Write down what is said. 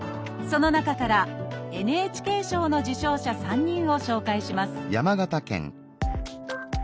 その中からＮＨＫ賞の受賞者３人を紹介します